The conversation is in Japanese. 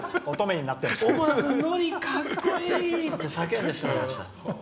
ノリ、かっこいいって叫んでしまいました。